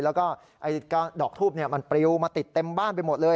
แล้วก็ดอกทูบมันปลิวมาติดเต็มบ้านไปหมดเลย